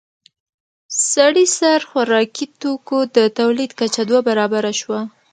د سړي سر خوراکي توکو د تولید کچه دوه برابره شوه